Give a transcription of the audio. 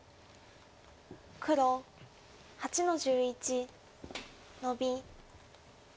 黒８の十一ノビ。